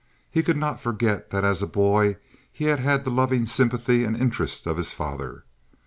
He could not forget that as a boy he had had the loving sympathy and interest of his father.